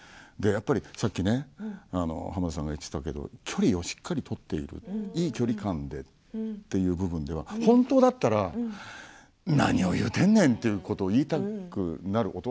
やっぱりさっきね濱田さんが言っていたけど距離をしっかり取っているいい距離感でという部分では本当だったら何を言うてんねんということを言いたくなる。